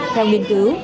theo nghiên cứu